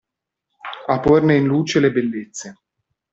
A porne in luce le bellezze.